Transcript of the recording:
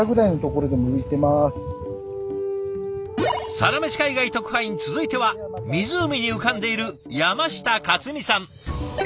サラメシ海外特派員続いては湖に浮かんでいる山下勝己さん。